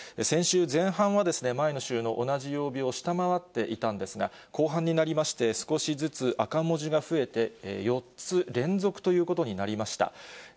先週前半は、前の週の同じ曜日を下回っていたんですが、後半になりまして、少しずつ赤文字が増えて、４つ連続ということになりました。